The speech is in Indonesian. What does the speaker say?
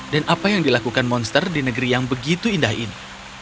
dan apa yang dilakukan monster di negeri yang begitu indah ini